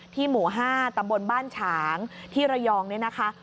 หมู่๕ตำบลบ้านฉางที่ระยองเนี่ยนะคะ